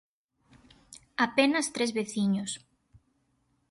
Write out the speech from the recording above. Apenas tres veciños.